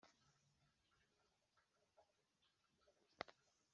Kugira ngo umuntu abe umuyobozi agomba kuba yisobanukiwe.